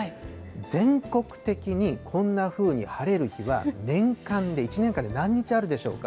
全国的にこんなふうに晴れる日は、年間で１年間で何日あるでしょうか。